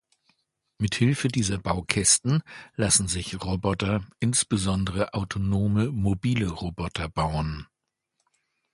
Mit Hilfe dieser Baukästen lassen sich Roboter, insbesondere autonome mobile Roboter bauen.